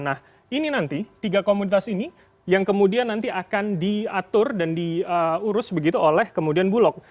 nah ini nanti tiga komunitas ini yang kemudian nanti akan diatur dan diurus begitu oleh kemudian bulog